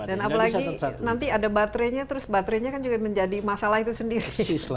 dan apalagi nanti ada baterainya terus baterainya kan juga menjadi masalah itu sendiri